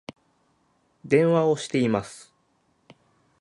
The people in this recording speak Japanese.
電話をしています